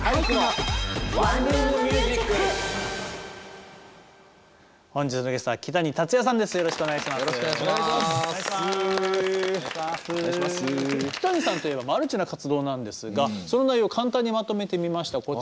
キタニさんといえばマルチな活動なんですがその内容を簡単にまとめてみました。